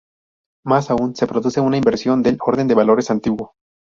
Más aún, se produce una inversión del orden de valores antiguo.